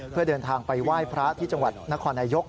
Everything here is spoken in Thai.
เพื่อเดินทางไปไหว้พระที่จังหวัดนครนายก